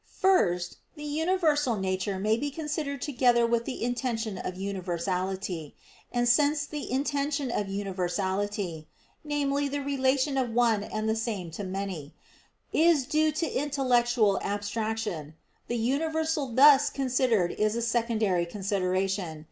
First, the universal nature may be considered together with the intention of universality. And since the intention of universality viz. the relation of one and the same to many is due to intellectual abstraction, the universal thus considered is a secondary consideration.